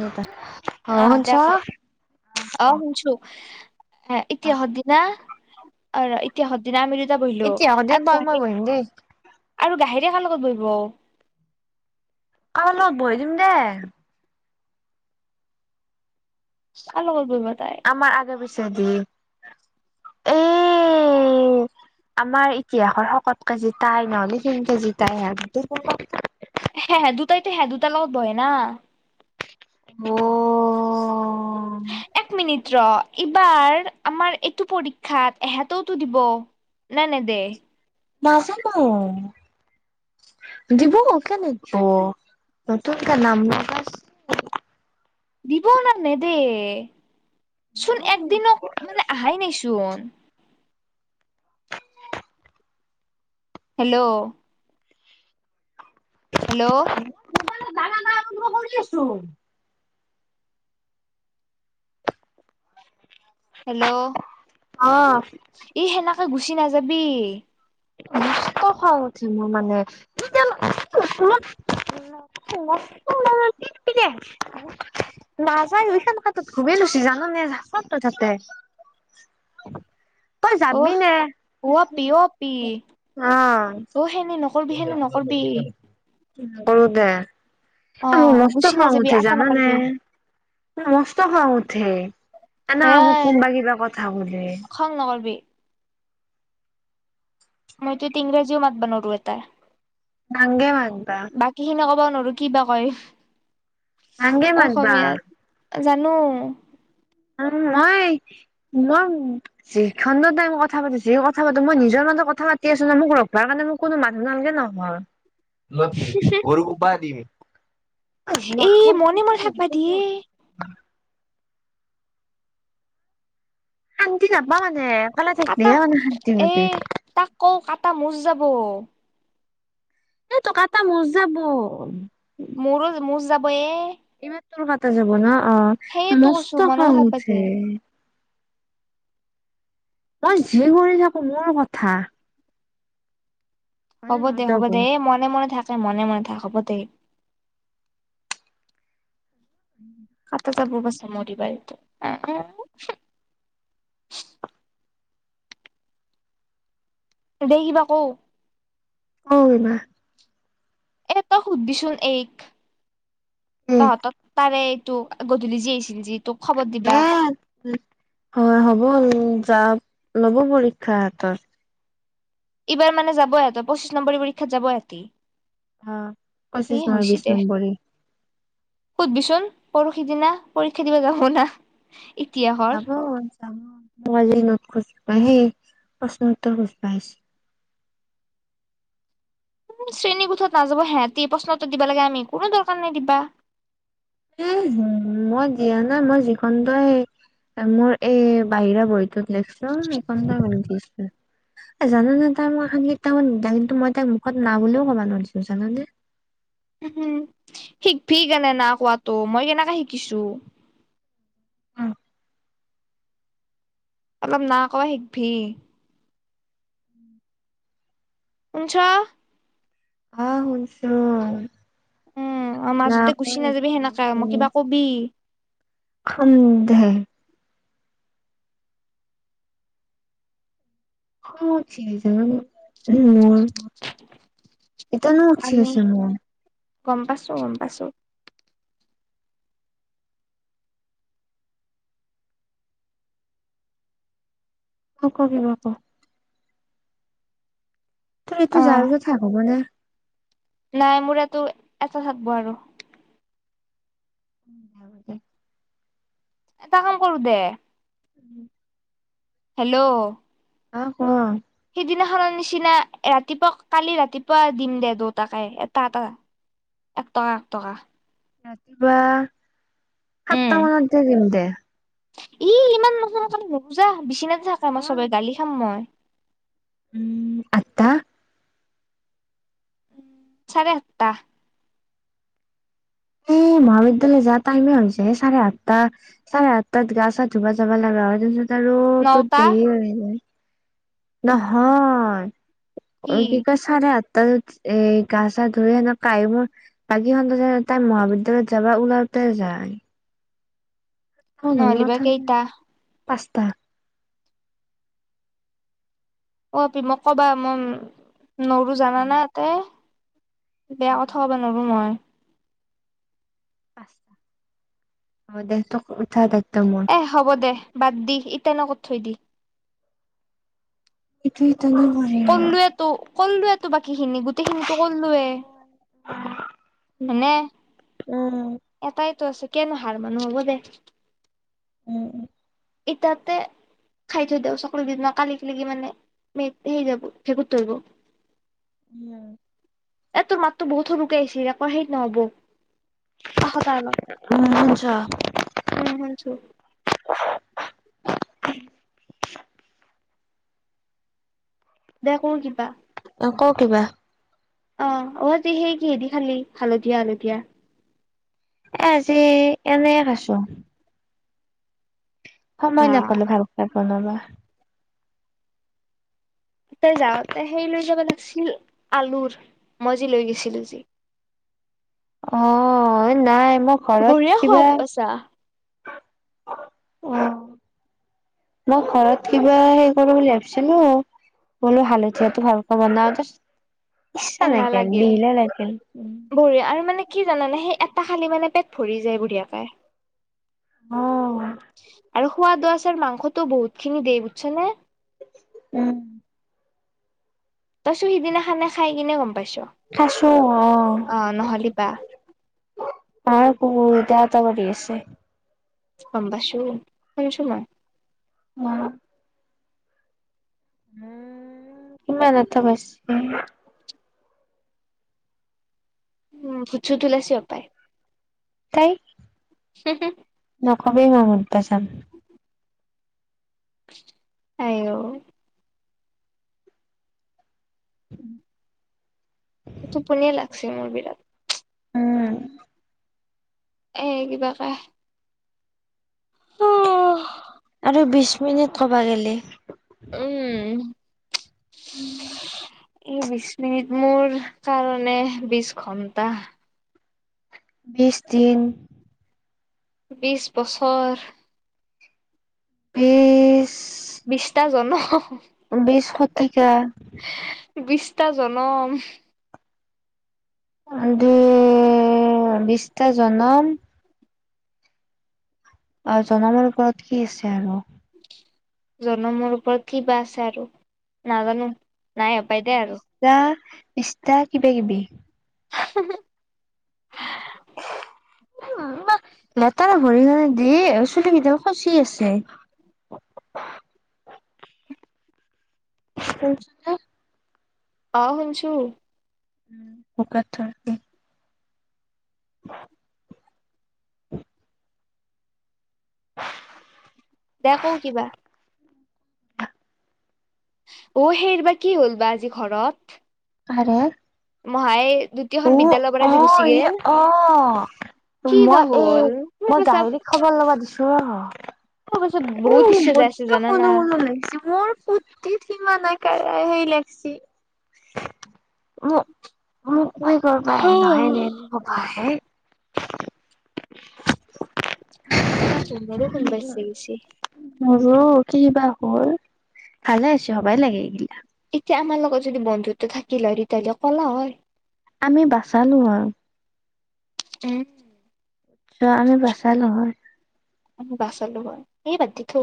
অ'ৰবা অ অহ দে শুনিছো, ক অহ কওক। হ ইতিহত দিনা আৰু ইতিহত দিনা আমি বহিলো এতিয়া হ দে আৰু তই মই গ বহিম দেই আৰু গাহিৰি এ কাৰ লগত বহিব অ' কাৰবালগত বহাই দিম দে কাৰ লগত বহিবব তাই? চ দ [unintelligible] আমাৰ ইতিহাসৰ শকত কেজিতাই নহ'লে তিন কে জিতাই [inaudible] হে দুটাইতো হে দুটাৰ লগত বহে না। অ কিয় এইবাৰ আমাৰ এইটো পৰীক্ষাত এহঁতেওতো দিব। না নেদে। নাজানো দিব কিয় নিদিব নতুন কৈ নাম লগায়ছে। দিব না নেদেয়। চোন লগাইছ একদিনো মানে আহাই নাই চোন হেল্ল' হেল্ল' [unintelligible] কৰি আছো হেল্ল'। অ ই সেনেকে গুচি নাযাবি খং উঠিছে মোৰ মানে [unintelligible] [unintelligible] নাযায় কাতত ঘুবেই লৈছি জানো নেচ তই তাতে [inaudible] নে অ' আপি অ' আপি অ' সেনি ন নকৰো দে। অ মোৰ মস্ত গুচি খং নাযাবি উঠে আটা জান নে নাপাৰবি মোৰ মস্ত খং উঠে। কেনেকে মোক এয়াই কোনবা কিবা কথা সোধে খং নকৰবি মইতোতি ইংৰাজীও মাত ব নোৱাৰো এটা। [unintelligible] ন কিবা কয় নংে মদবা অসমীয়াত জানো উম মই মই যিখণ্ড তাই মই কথা পাতিছে, যি কথা পাতো মই নিজৰ কথা পাতি আছো ন মোক ৰখবাৰ কাৰণে মোক কোনো মানুহ নালাগে নহয়। নি গৰুক ব দিম এ মনে মনে থাকবা দিয়ে ন শান্তি নাপা মানে অকলে কটা থাকিলেহে মানে শান্তি এ পাবি তাক কও কাটা মোচ যাব এই টকা এটা মচ যাব মোৰো মোৰ যাব এ তৰ কটা যাব ন অ সেইয়েতো কৈছো মস্ত মনে খা মনে থাকবা উঠে দিয়ে মই যি কৰি থাকো মোৰ কথা হয় নে হ'ব নহয় দে তই হ'ব দে এই মনে মনে থাকে মনে মনে থাক হ'ব দে খাতা যাব বচা মৰি বাাৰটো দেখিবা কৌ অমা এটা সুধিচোন এই ক ক তহঁতত তাৰে ত গধূলি যি আহিছিল যি তোক খবৰ দিবা এ হয় হ'ব চ লব পৰীক্ষা হাতত ইবাৰ মানে যাবয়ত পঁচিশ নম্বৰী পৰীক্ষাত যাব হঁতি অ পঁচিশ এ নহয় হৈছে বিশ দে নম্বৰী সুধবিচোন পৰহি দিনা পৰীক্ষা দিব যামনা যাব যাব মজেই নত খোজ সেই প্ৰশ্ন উত্তৰ সুজ পঢাইছ শ্ৰেণী কোঠাত নাযাব সিহঁতি প্ৰশ্নটো দিবা লাগে আমি কোনো দৰকাৰ নাই দিবা এ হ মই জিয় নাই মই যিখন তই স মোৰ এই বাহিৰা বহীটোত লিখিছোন এইখন কঠিছে জানে তাই মোক এখন কেইতটামত নিলা কিন্তু মই তাইক মুখত না বুলিও ক'ব নোৱাৰছো জানে শিকভি কেনে না কোৱাাতটো মই কেনেকে শিকিছো উম। অলপ না কবা শিকিবি উম শুনছ আহ শুনছো উম ন মাজতে ক গুচি নাযাবি সেনেকে মই উম কিবা কবি সন্দেহ অ ঠিক য উ মোৰ এতি নোচ আমি আছে মোৰ গম পাইছো গম পাইছো ক কাক ব ক তোৰ অ এইটো যাৰ কথা হ'ব নে নাই মোৰটো এটা থাকব আৰু উ য দ এটা কাম কৰো দে উম হেল্ল' আহ শোৱা সিদিনাখনৰ নিচিনা ৰাতিপুৱা কালি ৰাতিপুৱা দিম দে দেউতাকাই এটা এটা এক টকা এক টকা ৰাতিপুৱা উম সাতটা মানত যে দিম দে ই ইমান মানুহৰ কাৰণে নুবুজা বিচি নাাথাকে মই চবে গালি খাম মই উম আটা চাৰে আঠটা এই [unintelligible] মহাবিদ্যালয় যোৱা টাইমে হৈছে চাৰে আঠটা চাৰে আঠটাত গা চা ধুবা যাব লাগে হয় আৰুো তো নটা দেৰি হৈ যায় নহয় কি কয় চাৰে আাত ত এ গা চা ধৰি সেনেক কাই মোৰ বাকী খ তাই মহাবিদ্যালয়ত যাবা ওলাৰ তে য হল কঠ নহ'লিবা কেইটা পাঁচটা অপি মোক কবা মই নৰো জানাানা ততে বেয়া কথা ক'ব নোৱাৰো মই অ দে ত কথা এ হ'ব দে বাদ দি ইট নকত থৈ দি এইেইটো ইতনে ব কলোৱো বাকীখিনি গোটেইখিনিতো কলোৱে মনেে উম এটাই টো আছে কিয়নো হাৰ মানুহ হ'ব দে উম উম ইটাতে খাই থৈ দিও চাকৰি দুদিনা কালি ক লাগি মানে সেইৰি যাব ভেঁকুত থৰিব উম এ তোৰ মাতো বহুত সৰুকাই আছিল আৌ সেইত নহব কাহতাৰ উম শুনছ লগত উম শুনছো দে ক কিবা অ ক কিবা অ অজি সেই কিহেদি খালি হালধীয়া হালধীয়া এজি এনে খছো সময় আহ নাপালো ভাল খাই বনাবা তই যাওঁতে সেই লৈ যাব লাগিছিল আলুৰ মই যি লৈ গৈছিলো যি অ নাই মই বঢ়িয়া ঘৰত সোৱাদ কিবা পাইছা অ মই ঘৰত কিবা হেৰি কৰো বুলি ভাবিছ নো বোলো ভালো হৈছেটো ভাল খবৰ নামত ই এলাহ নেক লাগিল বিল লেক উ বঢ়িয়া আৰু মানে কি জানানে সেই এটা খালি মানে পেট ভৰি যায় বুঢ়ীয়েকাই অ আৰু সোৱাদ আছোৰ মাংসটো বহুত খিনি দেই বুজছনেে উম তইছো সিদিনা খানা খাই কিনে গম প খছো নহ'লে বা আহ ত বহুত ত এটা কৰিঢ়ি আছে পন্দাছো পছয় উ উম কিমান এটা প উম ফুছো তুলা চি অ পায় তাই হহে সব মই মঠ পচাম আহঔ উম টোপনীয়া লাগছে মোৰ বিৰাট উম এইেইগিবাকে অ আৰু বিশ মিনিট কবা গ'লে উম এই বিশ মিনিট মোৰ কাৰণে বিশ ঘন্টা বিছ দিন বিশছ বছৰ পছ বিষ্ঠ জন বেছ শতিকা বিছটা জনম দু বিছটা জনন্ম অ জনামাৰ ওপৰত কি আছে আৰু জনমৰ ওপৰত ক বা আছে আৰু নাজানো নাই হপাই দে আৰু বিছটা বিছটা কিবা কিবি উ লেতেৰা ভৰি কাৰনে দিয় চুলি কেইটা খচি আছে কচ আহ শনছো উম শকাৰ থ অ দে কৌ কিবা অ সেইৰ বা কি হ'ল বাা আজি ঘৰত আৰে মহাই দ্বিতীয়খন অ বিদ্য়ালয়ৰ অ পৰাজি গুচি ই গল অ মই এই মই গাহৰিক খবৰ লগা দিছো ৰ মোৰ পাছত উ বহুত ইচ্ছা ব যাই আছে জানানা। সনো সো লাগিছে মোৰ ফূুৰ্তি মানে ক হৈেই লাগছি ম মই কৰিবা আহে নহয় এনে এনে কবা আহে তাক ক ৰ কোন বাচি গৈছি ৰ কি বাা হ'ল ভালে আছ সবাই লাগে এইগিলা এতিয়া আমাৰ লগত যদি বন্ধুত্ব থাকিল হয় তেতিয়াহ'লে ক'লা হয় আমি বাচালো আৰু উম চ আমি বচালোহয় বাচালো হয় এইেই বাদ দি থু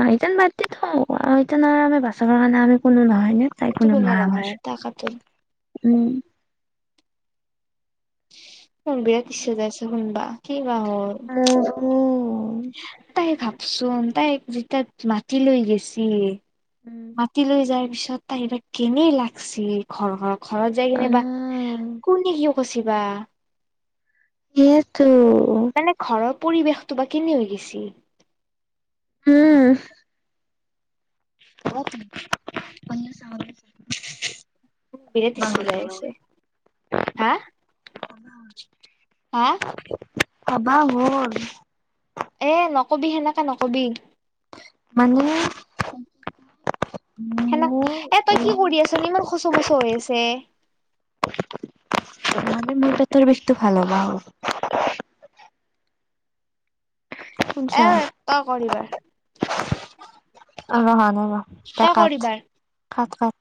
অ ইতে বাদতি থো স আৰু আমি বাচাবৰ কাৰণে আমি কোনো নহয় তাই এইটো কোনো ন নহয় আমাৰ তাকাতো। উম ক বিৰা তছ হজাৰ আছে শুনবা কি বাা হল মোৰো তাই ভাবচোন তাই যেতিয়া মাটি লৈ গেছ মাতি লৈ যাৰ পিছত। তাই এইবাক কেনেই লাগিছে ঘৰত ঘৰত যাই কেনে বাা উম কোনে কিয় কচিবা? সেইটো মানে ঘৰৰ পৰিৱেশটো বা কেনে হৈ গৈছে। উম অ ম চাব বিৰাতি যায় আছে হা হা পাবা হৰ এ নকবি সেনেকাে নকবি মানে হেনা, মোৰ এ তই এই কি কৰি আছ? ইমান সচ মচ হৈ আছে। গামীৰ মল ত আৰু বসো ভাল লাহ [unintelligible] এ তই কৰ এই। অহ। হোৱা নাই ৰ, তই কৰ এইবাৰ কাত-কাত-কাত